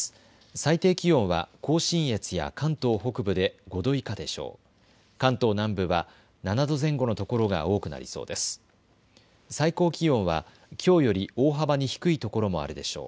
最低気温は甲信越や関東北部で５度以下でしょう。